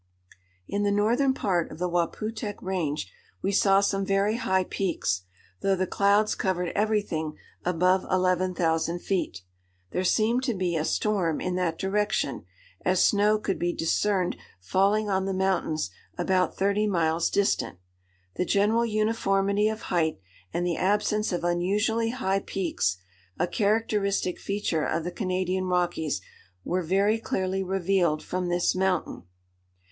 In the northern part of the Waputehk Range we saw some very high peaks, though the clouds covered everything above 11,000 feet. There seemed to be a storm in that direction, as snow could be discerned falling on the mountains about thirty miles distant. The general uniformity of height, and the absence of unusually high peaks, a characteristic feature of the Canadian Rockies, were very clearly revealed from this mountain.